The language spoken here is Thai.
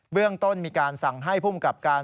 เรื่องต้นมีการสั่งให้ภูมิกับการ